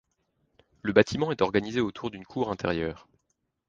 Le bâtiment est organisé autour d'une cour intérieure.